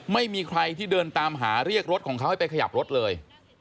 ไม่มีใครที่เดินตามหาเรียกรถของเขาให้ไปขยับรถเลย